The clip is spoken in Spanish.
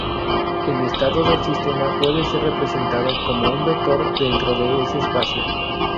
El estado del sistema puede ser representado como un vector dentro de ese espacio.